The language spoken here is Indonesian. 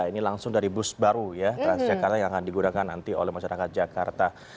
ini langsung dari bus baru ya transjakarta yang akan digunakan nanti oleh masyarakat jakarta